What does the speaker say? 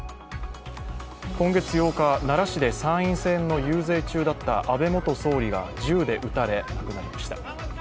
今月８日、奈良市で参院選の遊説中だった安倍元総理が銃で撃たれ、亡くなりました。